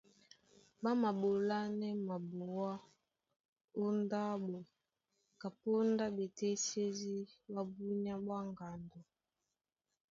Ɓá maɓolánɛ́ mabuá ó ndáɓo kapóndá ɓetésédí ɓá búnyá ɓwá ŋgando,